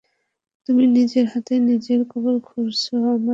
তুমি নিজের হাতেই নিজের কবর খুঁড়ছো, আমার ভায়া।